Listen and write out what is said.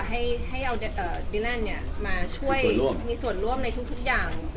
ให้เอาดีนั่นมาช่วยมีส่วนร่วมในทุกอย่าง